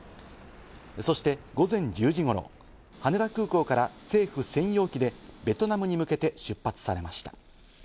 そして午前１０時ごろ羽田空港から政府専用機でベトナムに向けて出発されました。